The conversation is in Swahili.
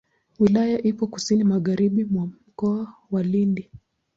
Wilaya ipo kusini magharibi mwa Mkoa wa Lindi.